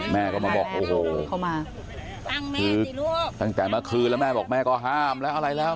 แม่ก็มาบอกโอ้โหเข้ามาตั้งแต่เมื่อคืนแล้วแม่บอกแม่ก็ห้ามแล้วอะไรแล้ว